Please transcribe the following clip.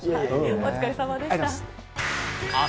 お疲れさまでした。